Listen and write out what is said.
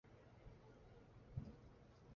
匈牙利实行多党议会制。